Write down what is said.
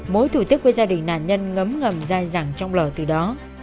mối thủ tức với gia đình nạn nhân ngấm ngầm dài dẳng trong lở từ đó